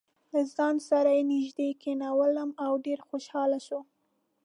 له ځان سره یې نژدې کېنولم او ډېر خوشاله شو.